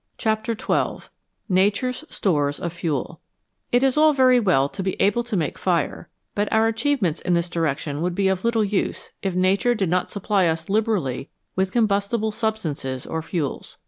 130 CHAPTER XII NATURE'S STORES OF FUEL IT is all very well to be able to make fire, but our achievements in this direction would be of little use if Nature did not supply us liberally with combustible substances or fuels.